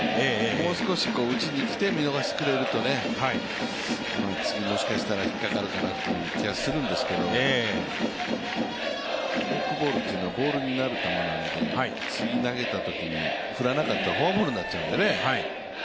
もう少し打ちにきて見逃してくれると、次、もしかしたら引っかかるかなという気がするんですけれどもフォークボールというのはボールになる球なんで次に投げたときに振らなかったらフォアボールになっちゃうんでね。